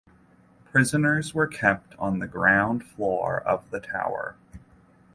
Prisoners were kept on the ground floor of the tower.